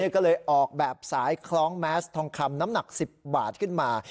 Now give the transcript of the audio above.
ก็เลยออกแบบสายคล้องแมสทองคำน้ำหนัก๑๐บาทขึ้นมา